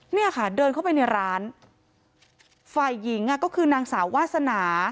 เนี่ยค่ะเดินเข้าไปในร้านฝ่ายหญิงอ่ะก็คือนางสาววาสนา